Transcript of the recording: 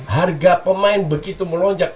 harga pemain begitu melonjak